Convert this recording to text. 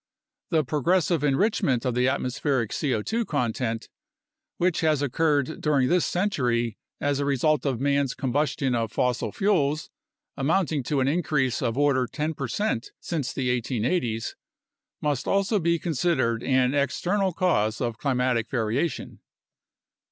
The progressive enrich ment of the atmospheric C0 2 content, which has occurred during this century as a result of man's combustion of fossil fuels (amounting to an increase of order 10 percent since the 1880's), must also be con sidered an external cause of climatic variation.